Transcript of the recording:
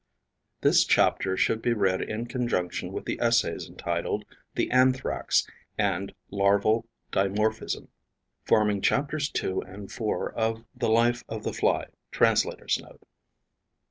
(This chapter should be read in conjunction with the essays entitled "The Anthrax" and "Larval Dimorphism", forming chapters 2 and 4 of "The Life of the Fly." Translator's Note.)